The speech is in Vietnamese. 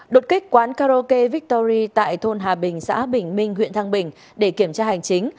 đột kích quán karaoke victory tại thôn hà bình xã bình minh huyện thăng bình để kiểm tra hành chính